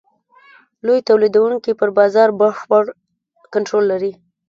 لوی تولیدوونکي پر بازار بشپړ کنټرول لري.